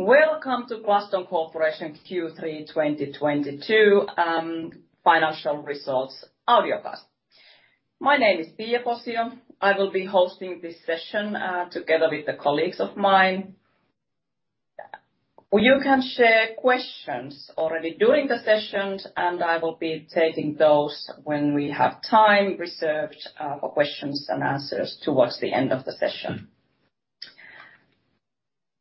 Welcome to Glaston Corporation Q3 2022 financial results audio cast. My name is Pia Posio. I will be hosting this session together with the colleagues of mine. You can share questions already during the sessions, and I will be taking those when we have time reserved for questions and answers towards the end of the session.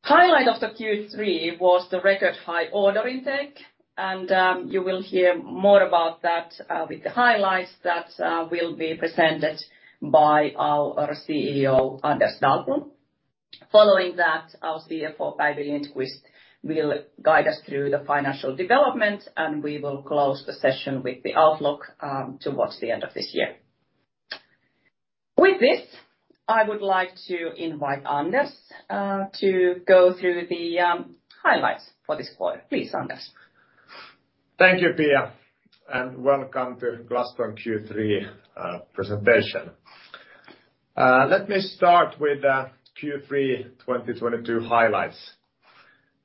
Highlight of the Q3 was the record high order intake, and you will hear more about that with the highlights that will be presented by our CEO, Anders Dahlblom. Following that, our CFO, Päivi Lindqvist, will guide us through the financial developments, and we will close the session with the outlook towards the end of this year. With this, I would like to invite Anders to go through the highlights for this quarter. Please, Anders. Thank you, Pia, and welcome to Glaston Q3 presentation. Let me start with the Q3 2022 highlights.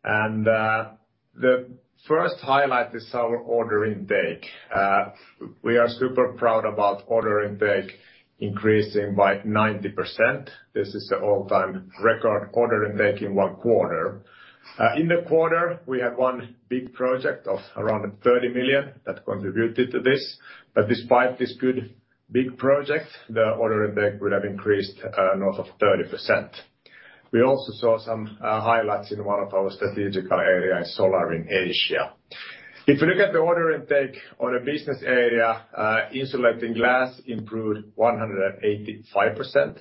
The first highlight is our order intake. We are super proud about order intake increasing by 90%. This is the all-time record order intake in one quarter. In the quarter, we had one big project of around 30 million that contributed to this. Despite this good big project, the order intake would have increased north of 30%. We also saw some highlights in one of our strategic area in Solar in Asia. If you look at the order intake on a business area, Insulating Glass improved 185%,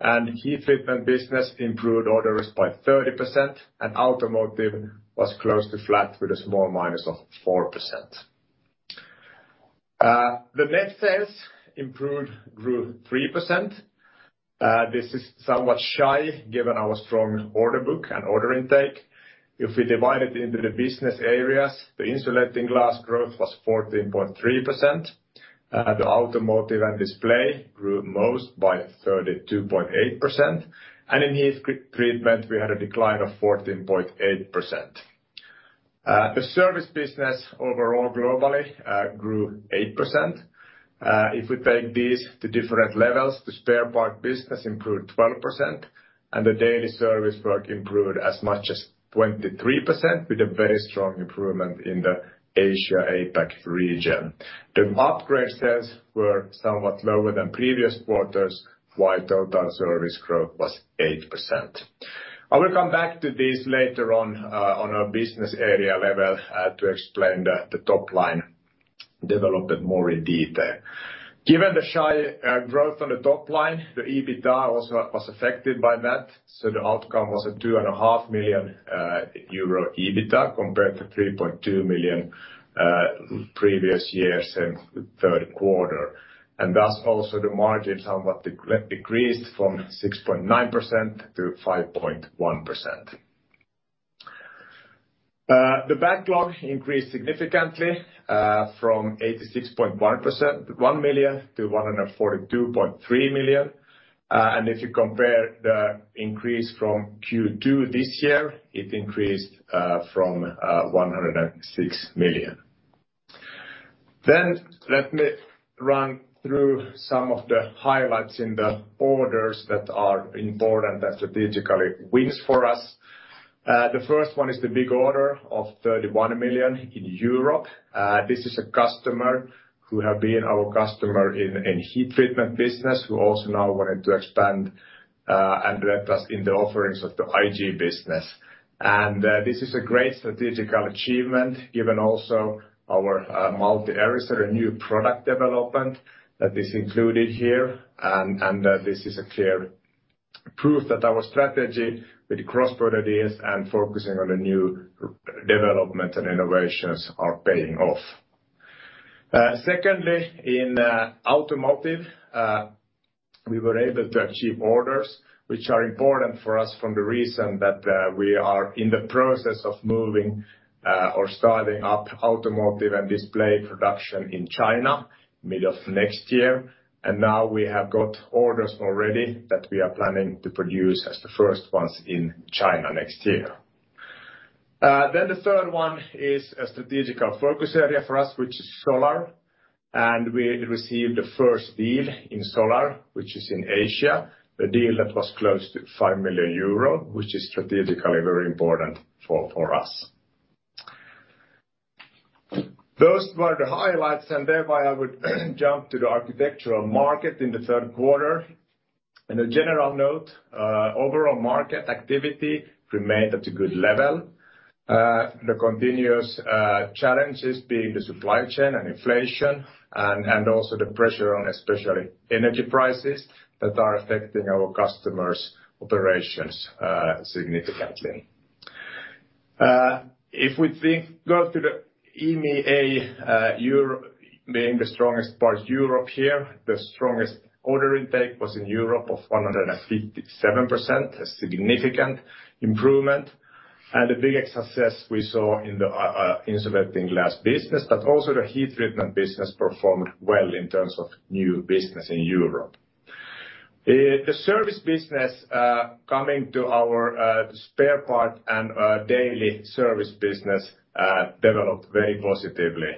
and Heat Treatment business improved orders by 30%, and Automotive was close to flat with a small minus of 4%. The net sales grew 3%. This is somewhat shy given our strong order book and order intake. If we divide it into the business areas, the Insulating Glass growth was 14.3%. The Automotive & Display grew most by 32.8%. In Heat Treatment, we had a decline of 14.8%. The service business overall globally grew 8%. If we take these to different levels, the spare part business improved 12% and the daily service work improved as much as 23% with a very strong improvement in the Asia APAC region. The upgrade sales were somewhat lower than previous quarters, while total service growth was 8%. I will come back to this later on a business area level, to explain the top line development more in detail. Given the slight growth on the top line, the EBITDA also was affected by that. The outcome was a 2.5 million euro EBITDA compared to 3.2 million previous year in Q3. Thus also the margin somewhat decreased from 6.9% to 5.1%. The backlog increased significantly from 86.1 million to 142.3 million. If you compare the increase from Q2 this year, it increased from 106 million. Let me run through some of the highlights in the orders that are important and strategic wins for us. The first one is the big order of 31 million in Europe. This is a customer who has been our customer in heat treatment business, who also now wanted to expand and let us in the offerings of the IG business. This is a great strategic achievement given also our multi-areas, our new product development that is included here. This is a clear proof that our strategy with cross-products and focusing on the new development and innovations are paying off. Secondly, in automotive, we were able to achieve orders which are important for us for the reason that we are in the process of moving or starting up Automotive & Display production in China, middle of next year. Now we have got orders already that we are planning to produce as the first ones in China next year. The third one is a strategic focus area for us, which is Solar. We received the first deal in Solar, which is in Asia, a deal that was close to 5 million euro, which is strategically very important for us. Those were the highlights, thereby I would jump to the architectural market in the Q3. In a general note, overall market activity remained at a good level. The continuous challenges being the supply chain and inflation and also the pressure on especially energy prices that are affecting our customers' operations significantly. If we go to the EMEA, Europe being the strongest part here, the strongest order intake was in Europe of 157%, a significant improvement. The biggest success we saw in the Insulating Glass business, but also the heat treatment business performed well in terms of new business in Europe. The service business coming to our spare part and daily service business developed very positively.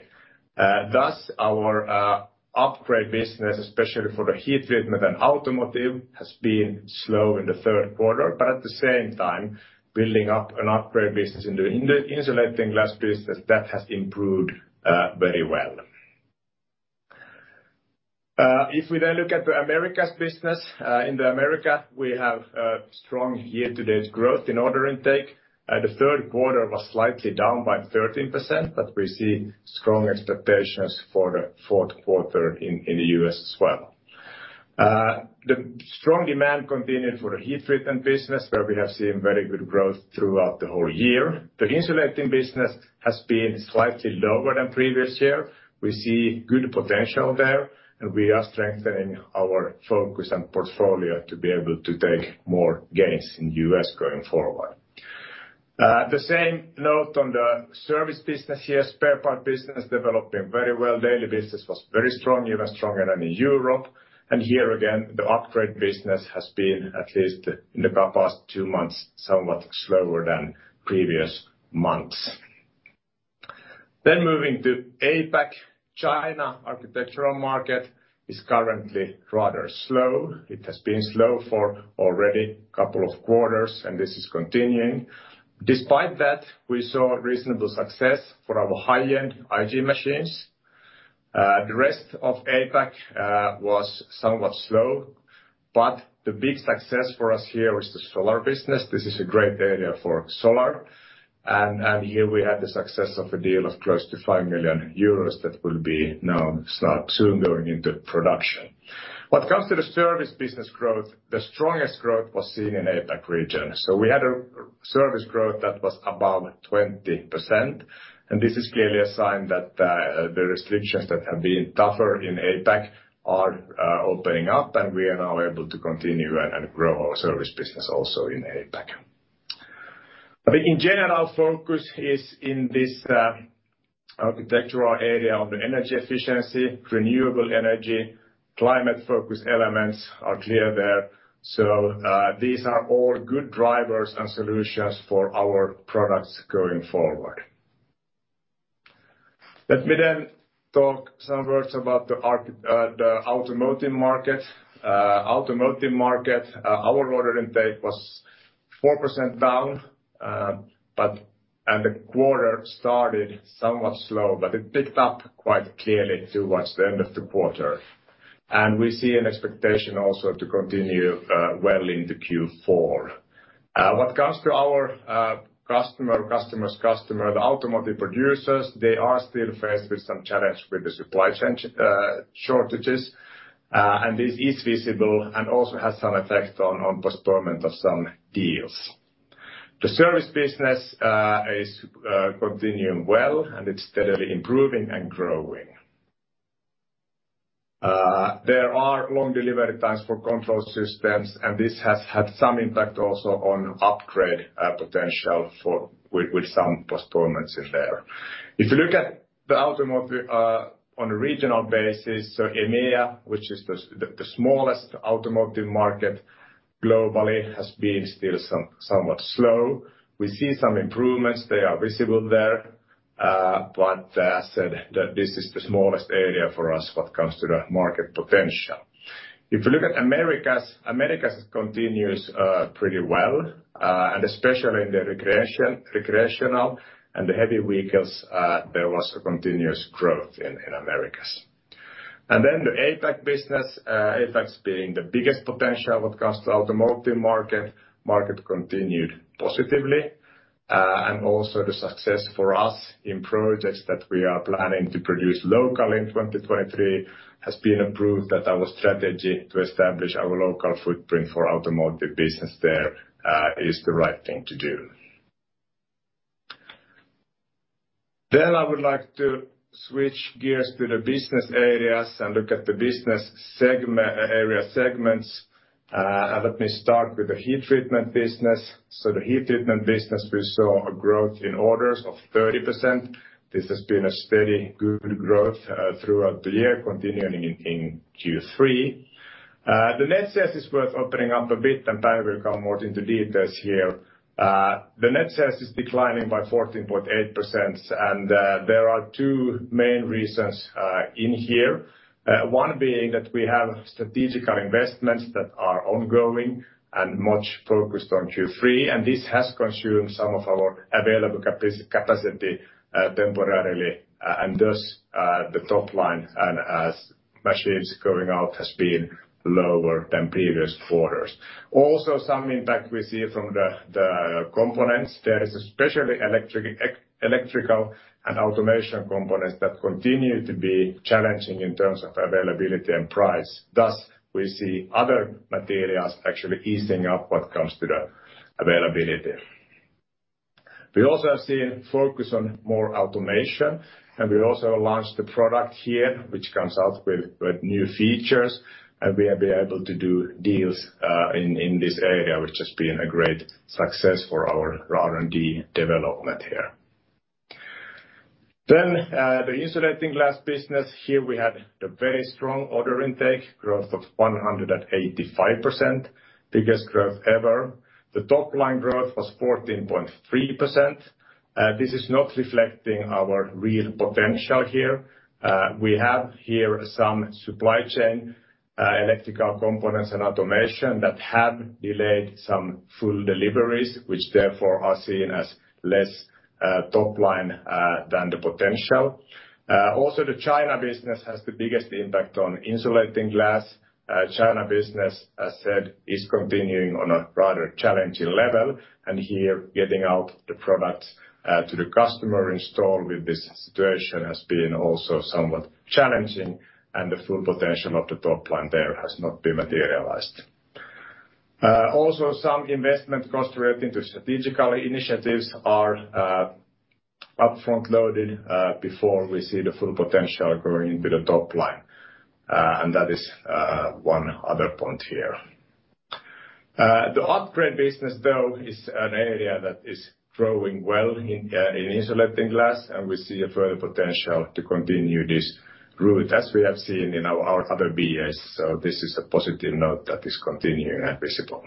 Thus our upgrade business, especially for the heat treatment and automotive, has been slow in the Q3, but at the same time, building up an upgrade business in the Insulating Glass business that has improved very well. If we then look at the Americas business. In the Americas, we have strong year-to-date growth in order intake. The Q3 was slightly down by 13%, but we see strong expectations for the Q4 in the US as well. The strong demand continued for the heat treatment business, where we have seen very good growth throughout the whole year. The insulating business has been slightly lower than previous year. We see good potential there, and we are strengthening our focus and portfolio to be able to take more gains in US going forward. The same note on the service business here, spare part business developing very well daily business was very strong, even stronger than in Europe. Here again, the upgrade business has been at least in the past two months, somewhat slower than previous months. Moving to APAC. China architectural market is currently rather slow. It has been slow for already a couple of quarters, and this is continuing. Despite that, we saw reasonable success for our high-end IG machines. The rest of APAC was somewhat slow, but the big success for us here is the Solar business this is a great area for Solar. And here we had the success of a deal of close to 5 million euros that will now start soon going into production. When it comes to the service business growth, the strongest growth was seen in APAC region we had our service growth that was above 20%, and this is clearly a sign that the restrictions that have been tougher in APAC are opening up, and we are now able to continue and grow our service business also in APAC. In general, focus is in this architectural area on the energy efficiency, renewable energy, climate focus elements are clear there. These are all good drivers and solutions for our products going forward. Let me talk some words about our automotive market. Automotive market, our order intake was 4% down, but the quarter started somewhat slow, but it picked up quite clearly towards the end of the quarter. We see an expectation also to continue well into Q4. When it comes to our customer's customer, the automotive producers, they are still faced with some challenge with the supply chain shortages. This is visible and also has some effect on postponement of some deals. The service business is continuing well, and it's steadily improving and growing. There are long delivery times for control systems, and this has had some impact also on upgrade potential with some postponements in there. If you look at the automotive on a regional basis, so EMEA, which is the smallest automotive market globally, has been still somewhat slow. We see some improvements they are visible there. As said, that this is the smallest area for us when it comes to the market potential. If you look at Americas continues pretty well, and especially in the recreational and the heavy vehicles, there was a continuous growth in Americas. The APAC business, APAC being the biggest potential when it comes to automotive market. Market continued positively. The success for us in projects that we are planning to produce locally in 2023 has been a proof that our strategy to establish our local footprint for automotive business there is the right thing to do. I would like to switch gears to the business areas and look at the business area segments. Let me start with the heat treatment business. The heat treatment business, we saw a growth in orders of 30%. This has been a steady good growth throughout the year, continuing in Q3. The net sales is worth opening up a bit, and Päivi will come more into details here. The net sales is declining by 14.8%, and there are two main reasons in here. One being that we have strategic investments that are ongoing and much focused on Q3, and this has consumed some of our available capacity, temporarily. Thus, the top line and the machines going out has been lower than previous quarters. Also, some impact we see from the components. There is especially electrical and automation components that continue to be challenging in terms of availability and price thus, we see other materials actually easing up when it comes to the availability. We also have seen focus on more automation, and we also launched a product here which comes out with new features. We have been able to do deals in this area, which has been a great success for our R&D development here. The Insulating Glass business here we had a very strong order intake growth of 185%, biggest growth ever. The top line growth was 14.3%. This is not reflecting our real potential here. We have here some supply chain electrical components and automation that have delayed some full deliveries, which therefore are seen as less top line than the potential. Also, the China business has the biggest impact on Insulating Glass. China business, as said, is continuing on a rather challenging level. Here, getting out the product to the customer installation with this situation has been also somewhat challenging, and the full potential of the top line there has not been materialized. Also some investment costs relating to strategic initiatives are upfront loaded before we see the full potential going into the top line. And that is one other point here. The upgrade business, though, is an area that is growing well in Insulating Glass, and we see a further potential to continue this growth as we have seen in our other BAs. This is a positive note that is continuing and visible.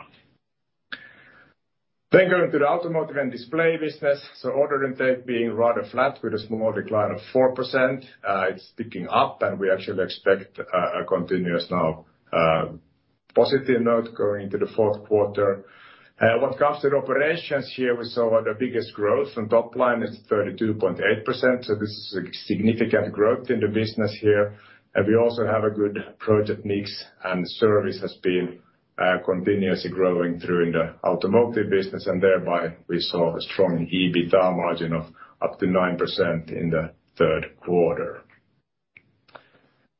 Going to the Automotive & Display business order intake being rather flat with a small decline of 4%. It's picking up, and we actually expect a continuous now positive note going into the Q4. When it comes to operations here, we saw the biggest growth from top line is 32.8%, so this is a significant growth in the business here. We also have a good project mix, and service has been continuously growing through in the automotive business thereby, we saw a strong EBITDA margin of up to 9% in the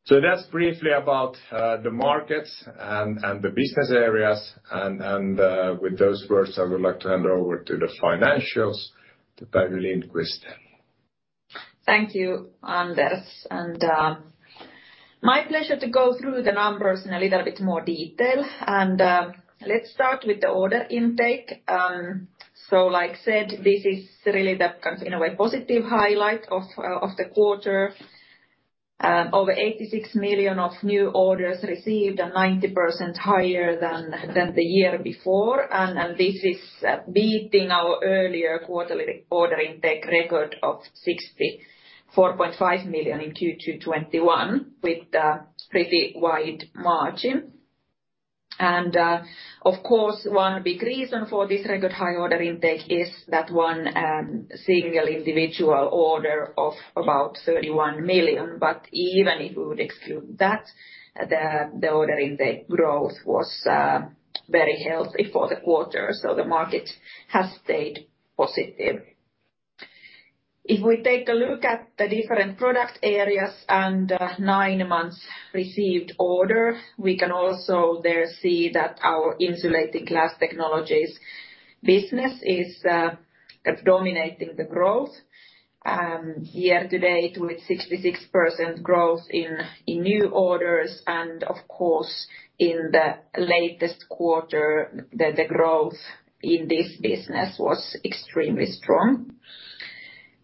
Q3. That's briefly about the markets and the business areas. With those words, I would like to hand over to the financials to Päivi Lindqvist. Thank you, Anders. My pleasure to go through the numbers in a little bit more detail. Let's start with the order intake. As said, this is really the cornerstone, in a way, positive highlight of the quarter. Over 86 million of new orders received, and 90% higher than the year before and this is is beating our earlier quarterly order intake record of 64.5 million in Q2 2021 with a pretty wide margin. Of course, one big reason for this record high order intake is that one single individual order of about 31 million even if we would exclude that, the order intake growth was very healthy for the quarter the market has stayed positive. If we take a look at the different product areas and nine months' orders received, we can also there see that our Insulating Glass Technologies business is kind of dominating the growth year to date with 66% growth in new orders. Of course, in the latest quarter, the growth in this business was extremely strong.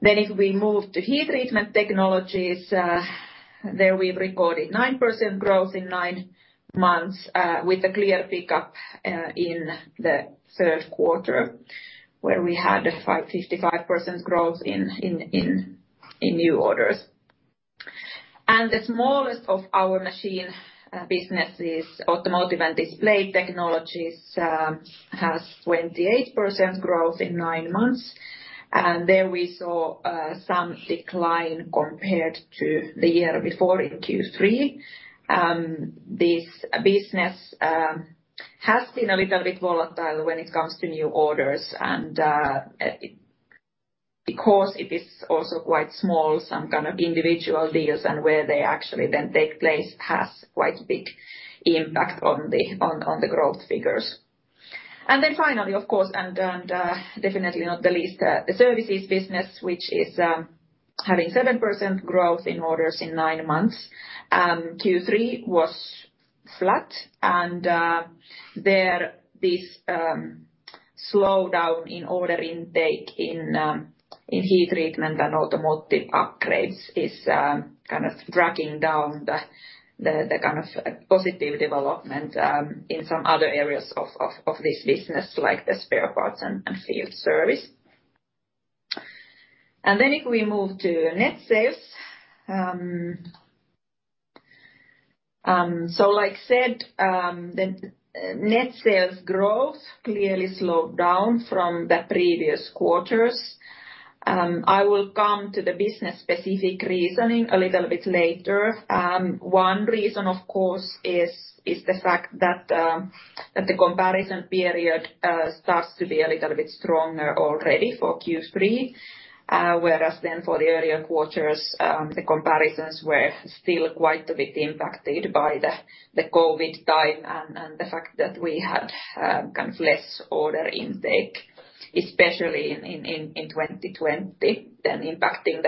If we move to Heat Treatment Technologies, there we've recorded 9% growth in nine months with a clear pickup in the Q1, where we had 55% growth in new orders. The smallest of our machine businesses, Automotive & Display Technologies, has 28% growth in nine months. There we saw some decline compared to the year before in Q3. This business has been a little bit volatile when it comes to new orders and because it is also quite small, some kind of individual deals and where they actually then take place has quite big impact on the growth figures. Finally, of course, definitely not the least, the services business, which is having 7% growth in orders in nine months. Q3 was flat and there this slowdown in order intake in heat treatment and automotive upgrades is kind of dragging down the kind of positive development in some other areas of this business, like the spare parts and field service. If we move to net sales. As I said, the net sales growth clearly slowed down from the previous quarters. I will come to the business-specific reasoning a little bit later. One reason, of course, is the fact that the comparison period starts to be a little bit stronger already for Q3. For the earlier quarters, the comparisons were still quite a bit impacted by the COVID time and the fact that we had kind of less order intake, especially in 2020, then impacting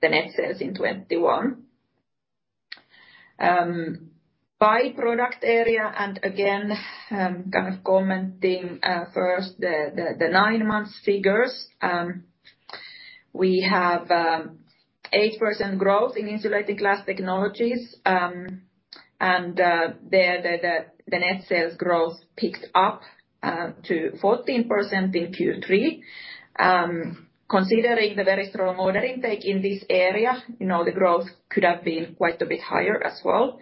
the net sales in 2021. By product area, and again, kind of commenting first the nine-month figures. We have 8% growth in Insulating Glass Technologies, and the net sales growth picked up to 14% in Q3. Considering the very strong order intake in this area, you know, the growth could have been quite a bit higher as well.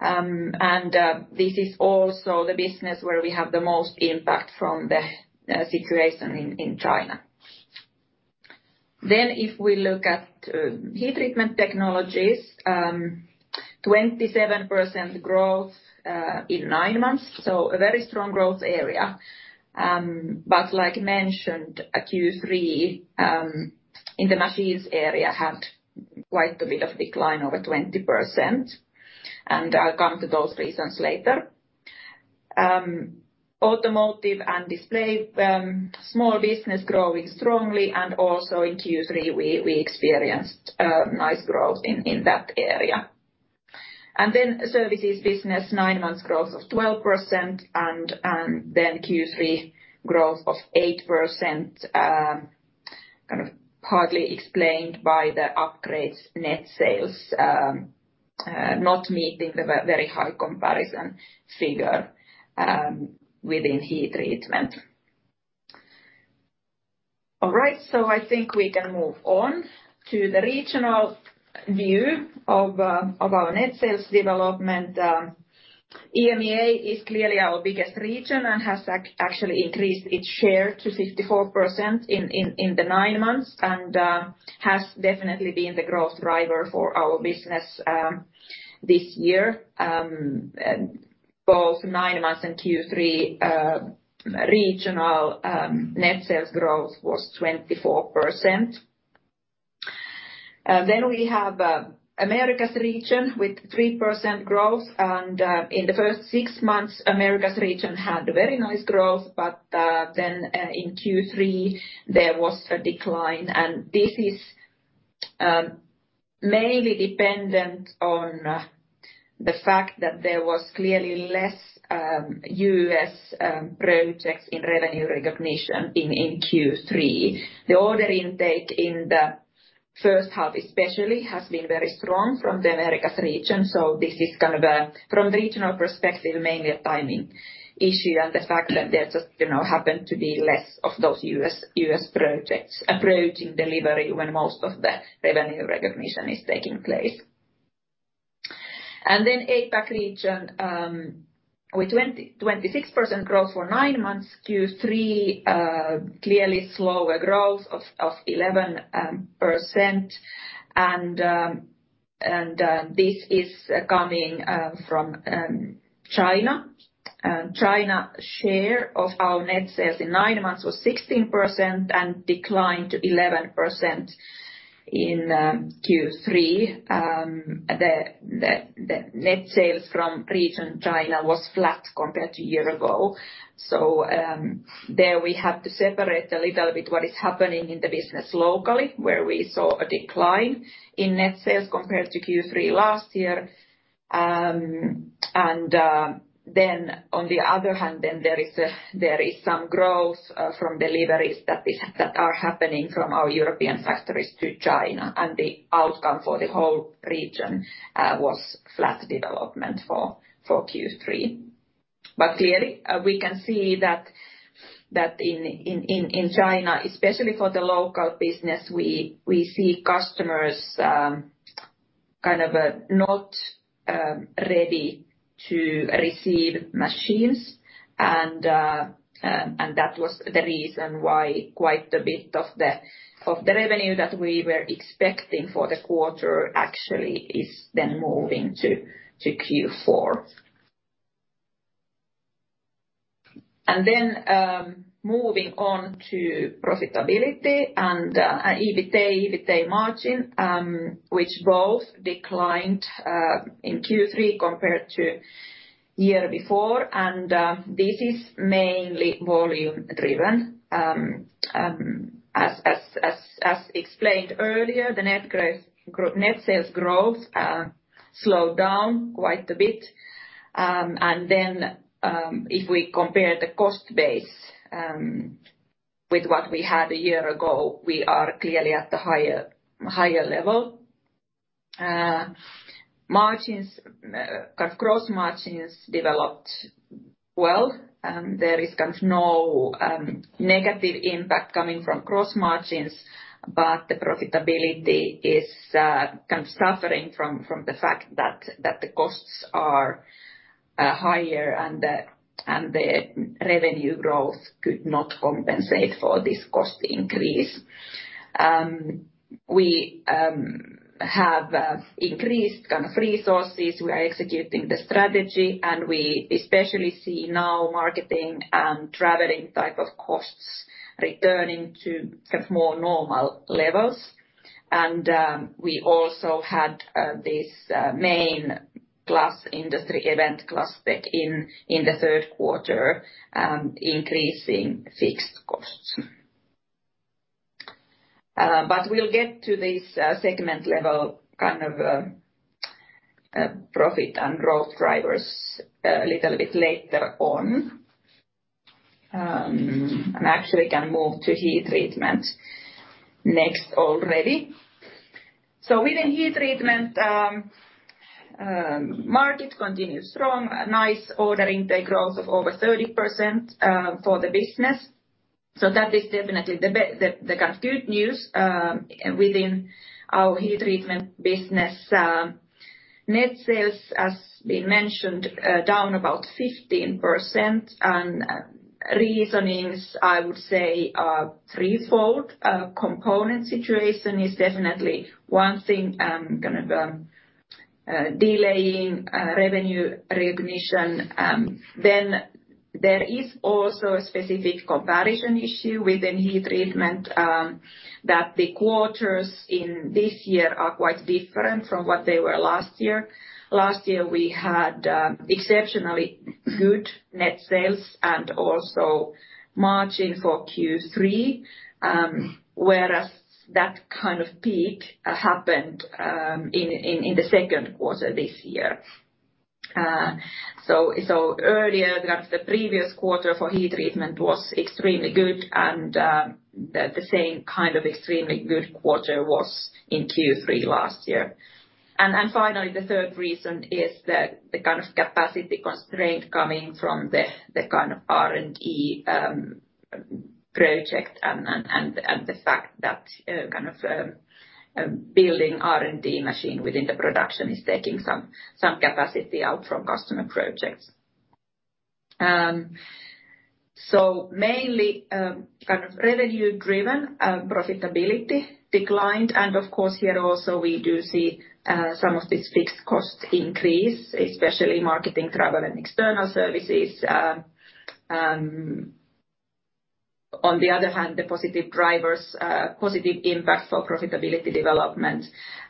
This is also the business where we have the most impact from the situation in China. If we look at Heat Treatment Technologies, 27% growth in nine months, so a very strong growth area. Like mentioned at Q3, in the machines area had quite a bit of decline, over 20%, and I'll come to those reasons later. Automotive & Display, small business growing strongly, and also in Q3 we experienced nice growth in that area. Services business nine months growth of 12% and then Q3 growth of 8%, kind of partly explained by the upgrades net sales not meeting the very high comparison figure within heat treatment. All right so i think we can move on to the regional view of our net sales development. EMEA is clearly our biggest region and has actually increased its share to 54% in the nine months and has definitely been the growth driver for our business this year. Both nine months and Q3 regional net sales growth was 24%. Then we have Americas region with 3% growth, and in the first six months, Americas region had very nice growth, but then in Q3 there was a decline. This is mainly dependent on the fact that there was clearly less US projects in revenue recognition in Q3. The order intake in the first half especially has been very strong from the Americas region, so this is kind of from a regional perspective, mainly a timing issue and the fact that there just, you know, happened to be less of those US projects approaching delivery when most of the revenue recognition is taking place. APAC region with 26% growth for nine months, Q3 clearly slower growth of 11%. This is coming from China. China share of our net sales in nine months was 16% and declined to 11% in Q3. The net sales from region China was flat compared to year ago. There we have to separate a little bit what is happening in the business locally, where we saw a decline in net sales compared to Q3 last year. On the other hand, there is some growth from deliveries that are happening from our European factories to China, and the outcome for the whole region was flat development for Q3. Clearly, we can see that in China, especially for the local business, we see customers kind of not ready to receive machines. That was the reason why quite a bit of the revenue that we were expecting for the quarter actually is then moving to Q4. Moving on to profitability and EBITDA margin, which both declined in Q3 compared to year before. This is mainly volume-driven. As explained earlier, the net growth, net sales growth slowed down quite a bit. If we compare the cost base with what we had a year ago, we are clearly at the higher level. Margins, kind of gross margins developed well. There is kind of no negative impact coming from gross margins, but the profitability is kind of suffering from the fact that the costs are higher and the revenue growth could not compensate for this cost increase. We have increased kind of resources we are executing the strategy, and we especially see now marketing and traveling type of costs returning to kind of more normal levels. We also had this main glass industry event, glasstec, in the Q3, increasing fixed costs. We'll get to this segment level kind of profit and growth drivers a little bit later on. Actually can move to heat treatment next already. Within heat treatment, market continued strong, nice order intake growth of over 30% for the business. That is definitely the kind of good news within our heat treatment business. Net sales, as we mentioned, down about 15%. Reasons, I would say, are threefold. Component situation is definitely one thing, kind of, delaying revenue recognition. There is also a specific comparison issue within heat treatment that the quarters in this year are quite different from what they were last year. Last year, we had exceptionally good net sales and also margin for Q3, whereas that kind of peak happened in the Q2 this year. Earlier, kind of the previous quarter for heat treatment was extremely good and the same kind of extremely good quarter was in Q3 last year. Finally, the third reason is the kind of capacity constraint coming from the kind of R&D project and the fact that kind of building R&D machine within the production is taking some capacity out from customer projects. Mainly, kind of revenue driven profitability declined, and of course, here also we do see some of these fixed costs increase, especially marketing, travel, and external services. On the other hand, the positive drivers, positive impact for profitability development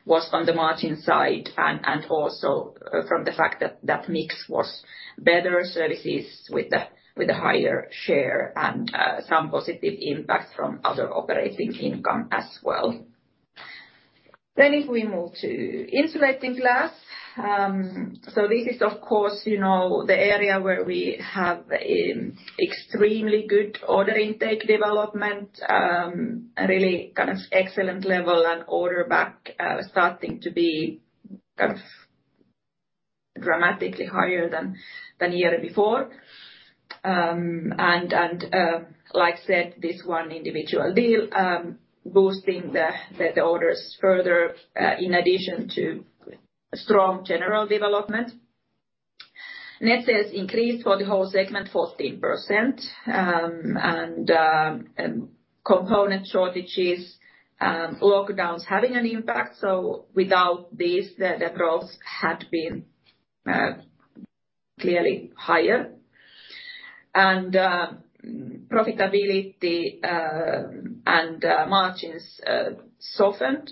was on the margin side and also from the fact that the mix was better services with a higher share and some positive impact from other operating income as well. If we move to Insulating Glass, this is, of course, you know, the area where we have extremely good order intake development, a really kind of excellent level and order backlog starting to be kind of dramatically higher than year before. Like i said, this one individual deal boosting the orders further in addition to strong general development. Net sales increased for the whole segment 14%, and component shortages, lockdowns having an impact without these, the growth had been clearly higher. Profitability and margins softened.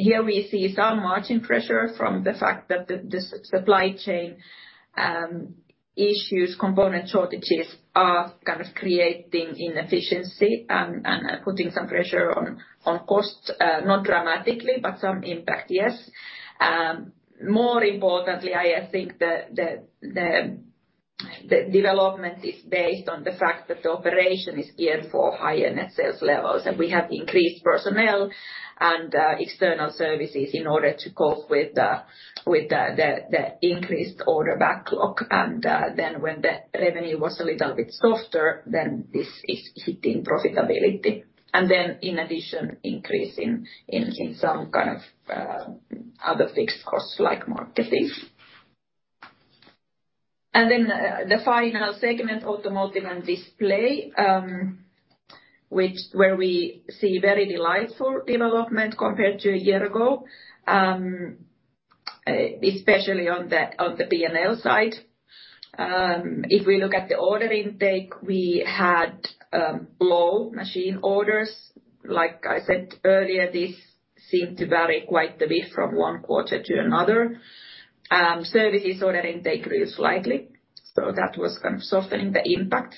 Here we see some margin pressure from the fact that the supply chain issues, component shortages are kind of creating inefficiency and putting some pressure on costs, not dramatically, but some impact, yes. More importantly, I think the development is based on the fact that the operation is geared for higher net sales levels, and we have increased personnel and external services in order to cope with the increased order backlog when the revenue was a little bit softer, this is hitting profitability. In addition, increase in some kind of other fixed costs like marketing. The final segment, Automotive & Display, which where we see very delightful development compared to a year ago, especially on the P&L side. If we look at the order intake, we had low machine orders. Like i said earlier, this seemed to vary quite a bit from one quarter to another. Services order intake grew slightly, so that was kind of softening the impact.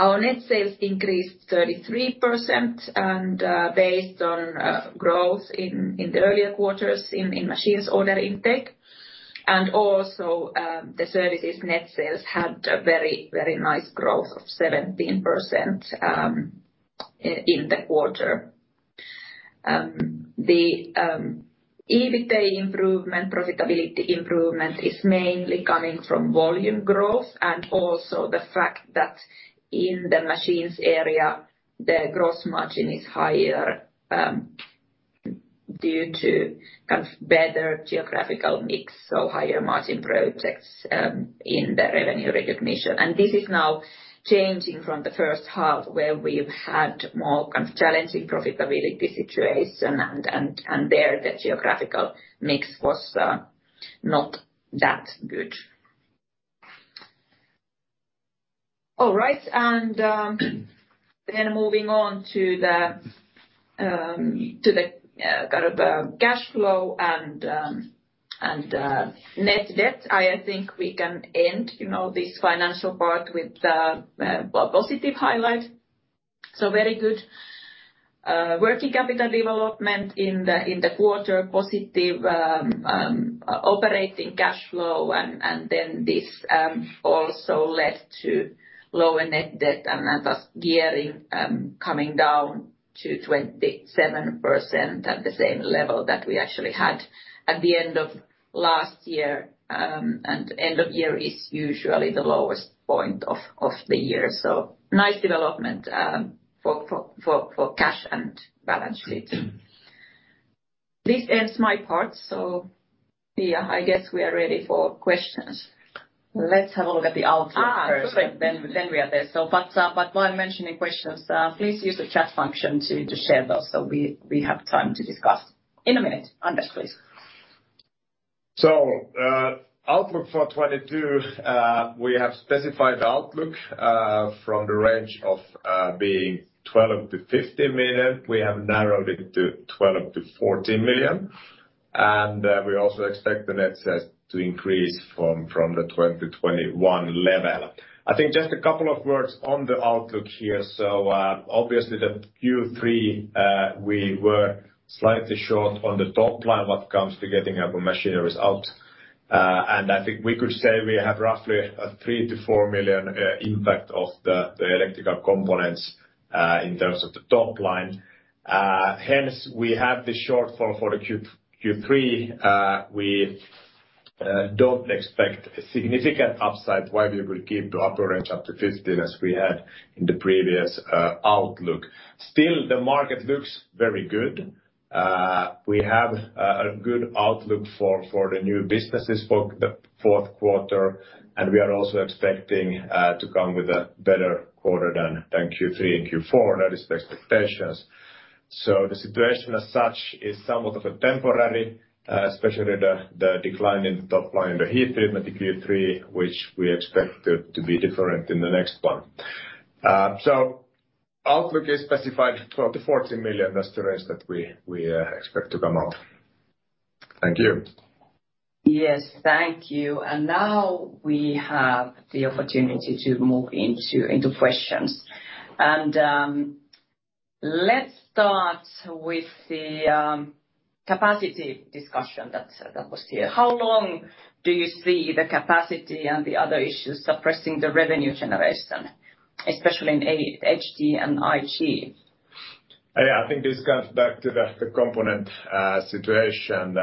Our net sales increased 33% and based on growth in the earlier quarters in machines' order intake. Also, the services net sales had a very nice growth of 17% in the quarter. The EBITDA improvement, profitability improvement is mainly coming from volume growth and also the fact that in the machines area, the gross margin is higher due to kind of better geographical mix, so higher margin projects in the revenue recognition this is now changing from the first half, where we've had more kind of challenging profitability situation and there the geographical mix was not that good. All right. Moving on to the kind of cash flow and net debt, I think we can end, you know, this financial part with the well, positive highlight. Very good working capital development in the quarter, positive operating cash flow. This also led to lower net debt, and thus gearing coming down to 27% at the same level that we actually had at the end of last year. End of year is usually the lowest point of the year. Nice development for cash and balance sheet. This ends my part, so Pia, I guess we are ready for questions. Let's have a look at the outlook first. Okay. We are there while mentioning questions, please use the chat function to share those, so we have time to discuss. In a minute. Anders, please. Outlook for 2022, we have specified outlook from the range of being 12 to 15 million we have narrowed it to 12 to 14 million. We also expect the net sales to increase from the 2020 to 2021 level. I think just a couple of words on the outlook here. Obviously, the Q3, we were slightly short on the top line when it comes to getting our machineries out. I think we could say we have roughly a 3 to 4 million impact of the electrical components in terms of the top line. Hence, we have the shortfall for the Q3. We don't expect a significant upside while we will keep the upper range up to 15 million as we had in the previous outlook. Still, the market looks very good. We have a good outlook for the new businesses for the Q4, and we are also expecting to come with a better quarter than Q3 and Q4 that is the expectations. The situation as such is somewhat of a temporary, especially the decline in the top line, the heat treatment, the Q3, which we expect it to be different in the next one. Outlook is specified EUR 12 to 14 million that's the range that we expect to come out. Thank you. Yes. Thank you. Now we have the opportunity to move into questions. Let's start with the capacity discussion that was here. How long do you see the capacity and the other issues suppressing the revenue generation, especially in A&D and IG? I think this comes back to the component situation.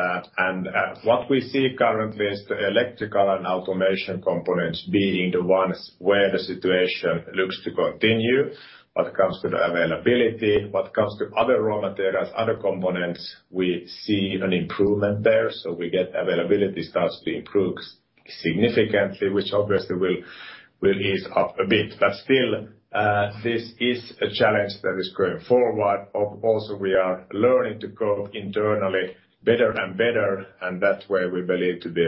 What we see currently is the electrical and automation components being the ones where the situation looks to continue, what comes to the availability. What comes to other raw materials, other components, we see an improvement there we get availability starts to improve significantly, which obviously will ease up a bit but still, this is a challenge that is going forward also, we are learning to cope internally better and better, and that's where we believe to be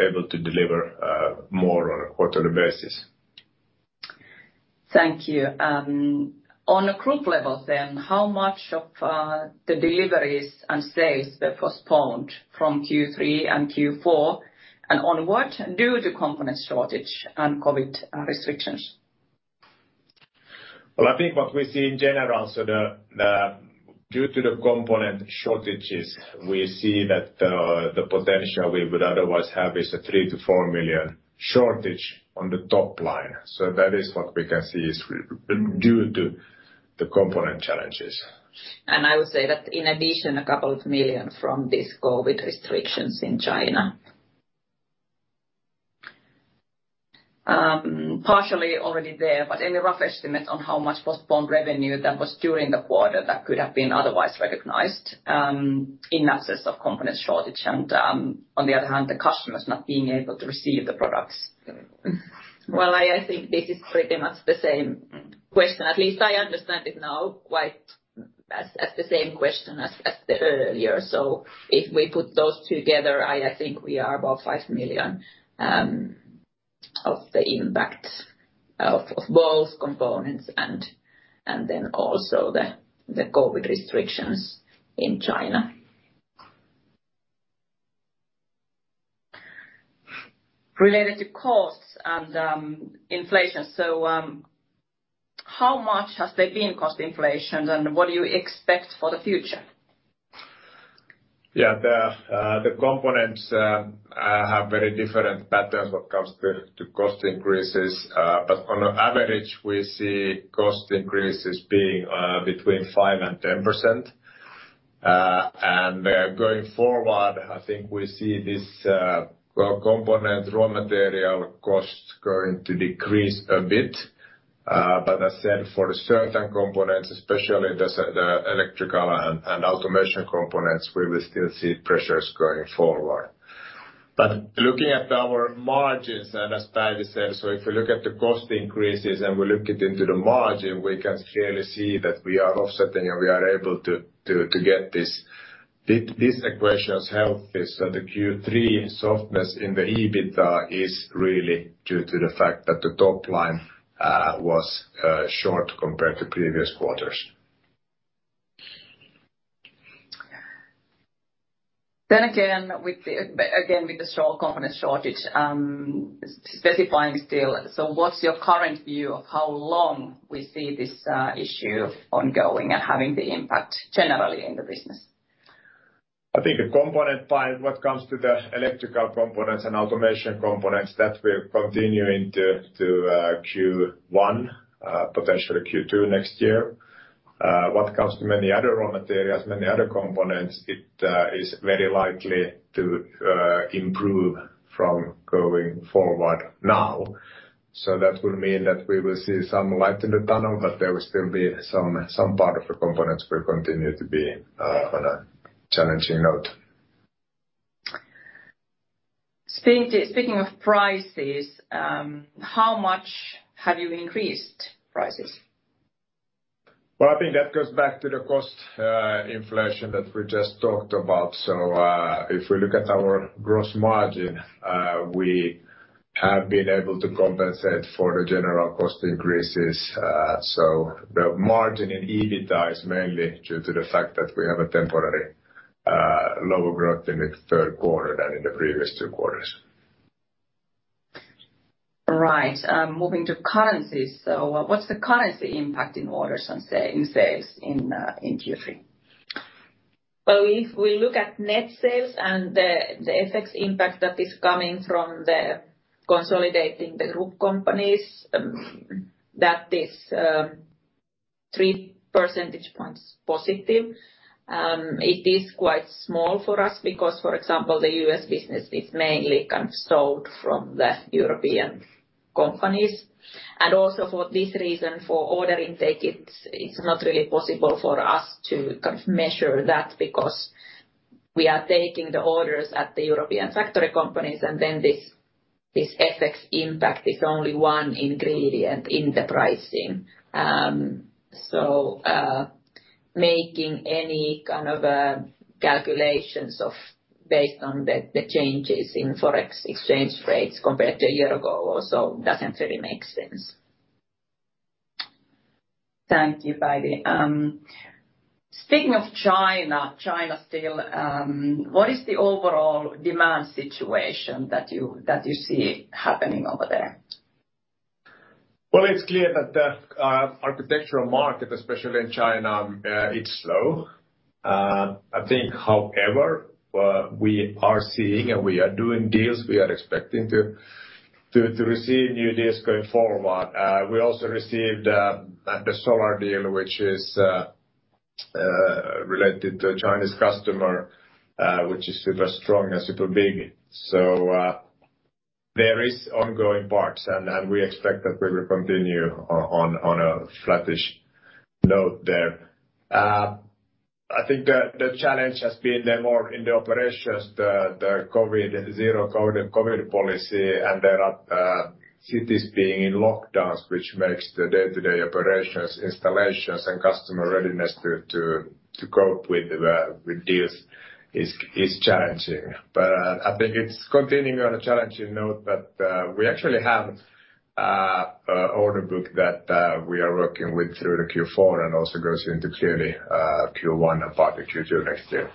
able to deliver more on a quarterly basis. Thank you. On a group level, how much of the deliveries and sales were postponed from Q3 and Q4, and on what? Due to component shortage and COVID restrictions. Well, I think what we see in general, due to the component shortages, we see that the potential we would otherwise have is a 3 to 4 million shortage on the top line. That is what we can see is due to the component challenges. I would say that in addition, EUR a couple of million from these COVID restrictions in China. Partially already there, but any rough estimate on how much postponed revenue that was during the quarter that could have been otherwise recognized, in absence of component shortage and, on the other hand, the customers not being able to receive the products. Well, I think this is pretty much the same question at least I understand it now quite as the same question as the earlier. If we put those together, I think we are about 5 million of the impact of both components and then also the COVID restrictions in China. Related to costs and inflation, how much has there been cost inflation, and what do you expect for the future? Yeah. The components have very different patterns when it comes to cost increases. On average, we see cost increases being between 5% to 10%. Going forward, I think we see this, well, component raw material costs going to decrease a bit. As said, for certain components, especially the electrical and automation components, we will still see pressures going forward. Looking at our margins, and as Päivi said, so if you look at the cost increases and we look at it in the margin, we can clearly see that we are offsetting and we are able to get this equation healthy, so the Q3 softness in the EBITA is really due to the fact that the top line was short compared to previous quarters. With the strong component shortage, specifying still, what's your current view of how long we see this issue ongoing and having the impact generally in the business? I think a component of what comes to the electrical components and automation components, that will continue into Q1, potentially Q2 next year. What comes to many other raw materials, many other components, it is very likely to improve going forward now. That would mean that we will see some light in the tunnel, but there will still be some part of the components will continue to be on a challenging note. Speaking of prices, how much have you increased prices? Well, I think that goes back to the cost inflation that we just talked about. If we look at our gross margin, we have been able to compensate for the general cost increases. The margin in EBITDA is mainly due to the fact that we have a temporary lower growth in the Q3 than in the previous two quarters. Right. Moving to currencies. What's the currency impact in sales in Q3? Well, if we look at net sales and the FX impact that is coming from the consolidation of the group companies, that is three percentage points positive. It is quite small for us because, for example, the US business is mainly kind of sold from the European companies. Also for this reason, for order intake, it's not really possible for us to kind of measure that because we are taking the orders at the European factory companies, and then this FX impact is only one ingredient in the pricing. Making any kind of calculations based on the changes in Forex exchange rates compared to a year ago also doesn't really make sense. Thank you, Päivi. Speaking of China still, what is the overall demand situation that you see happening over there? Well, it's clear that the architectural market, especially in China, it's slow. I think, however, we are seeing and we are doing deals, we are expecting to receive new deals going forward we also received the Solar deal, which is related to a Chinese customer, which is super strong and super big. There is ongoing parts and we expect that we will continue on a flattish note there. I think the challenge has been then more in the operations, the COVID zero-COVID policy, and there are cities being in lockdowns, which makes the day-to-day operations, installations and customer readiness to cope with the deals is challenging. I think it's continuing on a challenging note, but we actually have order book that we are working with through the Q4 and also goes into clearly Q1 and part of Q2 next year.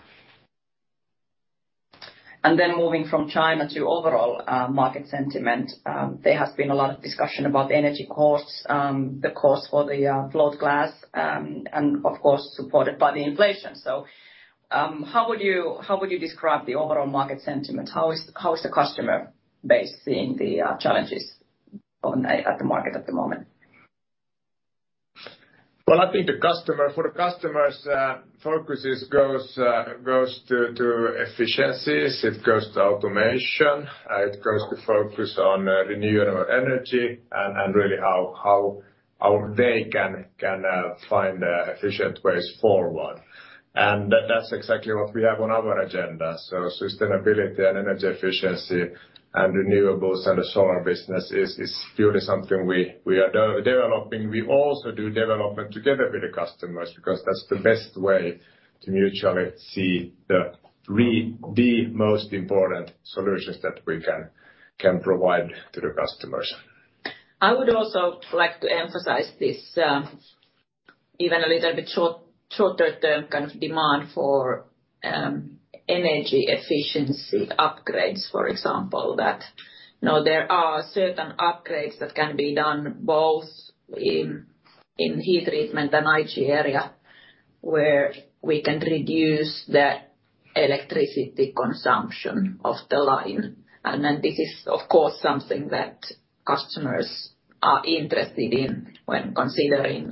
Then moving from China to overall market sentiment, there has been a lot of discussion about the energy costs, the cost for the float glass, and of course, supported by the inflation. How would you describe the overall market sentiment? How is the customer base seeing the challenges in the market at the moment? Well, I think for the customers, focus goes to efficiencies, it goes to automation, it goes to focus on renewable energy and really how they can find efficient ways forward. That's exactly what we have on our agenda. Sustainability and energy efficiency and renewables and the Solar business is purely something we are developing we also do development together with the customers because that's the best way to mutually see the most important solutions that we can provide to the customers. I would also like to emphasize this, even a little bit shorter term kind of demand for energy efficiency upgrades, for example, that you know there are certain upgrades that can be done both in heat treatment and IG area where we can reduce the electricity consumption of the line. This is, of course, something that customers are interested in when considering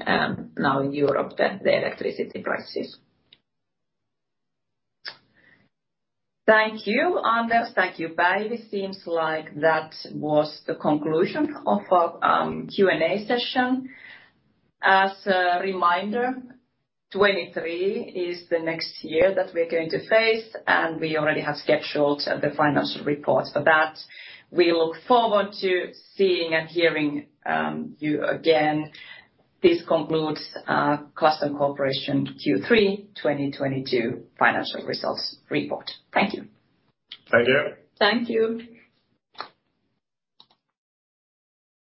now in Europe the electricity prices. Thank you, Anders. Thank you, Päivi seems like that was the conclusion of our Q&A session. As a reminder, 2023 is the next year that we're going to face, and we already have scheduled the financial reports for that. We look forward to seeing and hearing you again. This concludes Glaston Corporation Q3 2022 financial results report. Thank you. Thank you. Thank you.